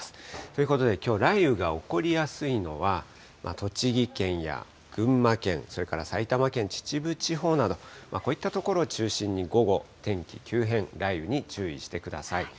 ということできょう、雷雨が起こりやすいのは、栃木県や群馬県、それから埼玉県秩父地方など、こういった所を中心に、午後、天気急変、雷雨に注意してください。